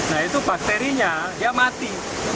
nah itu bakterinya dia mati